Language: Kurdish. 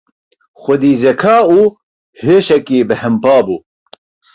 Xwedî zeka û hişekî bêhempa bû.